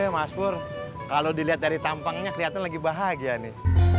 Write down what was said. mas pur kalau dilihat dari tampangnya kelihatan lagi bahagia nih